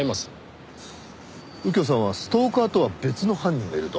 右京さんはストーカーとは別の犯人がいると？